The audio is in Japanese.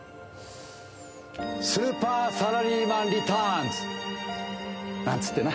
スーパーサラリーマンリターンズなんつってな。